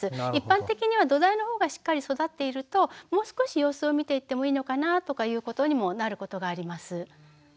一般的には土台の方がしっかり育っているともう少し様子を見ていってもいいのかなとかということにもなることがあります。